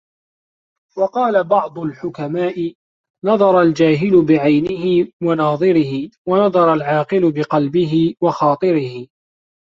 وَقَالَ بَعْضُ الْحُكَمَاءِ نَظَرُ الْجَاهِلِ بِعَيْنِهِ وَنَاظِرِهِ ، وَنَظَرُ الْعَاقِلِ بِقَلْبِهِ وَخَاطِرِهِ